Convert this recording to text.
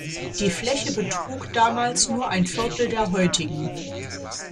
Die Fläche betrug damals nur ein Viertel der heutigen.